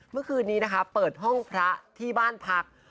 เมื่อคืนนี้นะคะเปิดห้องพระที่บ้านพัก